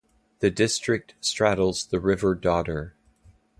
The district straddles the River Dodder.